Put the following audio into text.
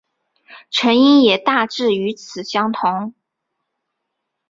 成因也大致与此相同。